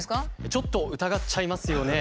ちょっと疑っちゃいますよね。